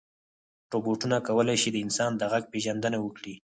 روبوټونه کولی شي د انسان د غږ پېژندنه وکړي.